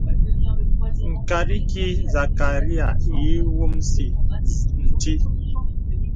Ŋkàt ikī sàkryāy ǐ wùmsì nti.